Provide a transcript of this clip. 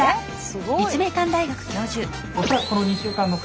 ２週間で？